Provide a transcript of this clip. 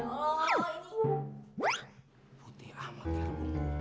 storenya sudah macam mana pak